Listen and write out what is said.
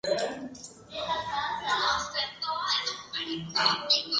El autor Larry Diamond nos presenta dos clasificaciones regímenes "ambiguos".